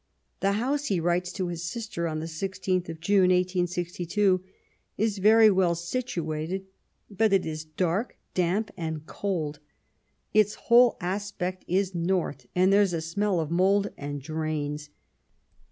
" The house," he writes to his sister, on the i6th of June, 1862, " is very well situated, but it is dark, damp, and cold. Its whole aspect is north, and there's a smell of mould and drains.